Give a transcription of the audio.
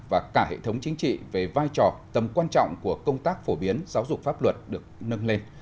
và cả hệ thống chính trị về vai trò tầm quan trọng của công tác phổ biến giáo dục pháp luật được nâng lên